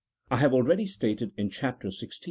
I have already stated in Chapter XYI.